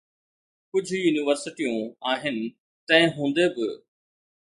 ڪجهه يونيورسٽيون آهن، تنهن هوندي به.